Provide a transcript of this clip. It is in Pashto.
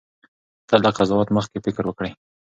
تل له قضاوت مخکې فکر وکړئ.